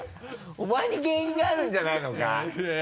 お前に原因があるんじゃないのか？